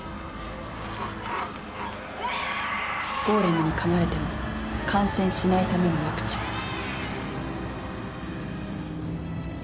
ゴーレムに噛まれても感染しないためのワクチン。